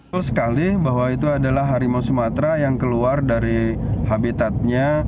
sesekali bahwa itu adalah harimau sumatra yang keluar dari habitatnya